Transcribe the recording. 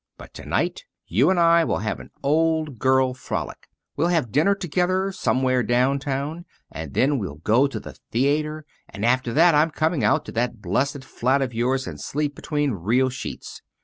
But to night you and I will have an old girl frolic. We'll have dinner together somewhere downtown, and then we'll go to the theater, and after that I'm coming out to that blessed flat of yours and sleep between real sheets.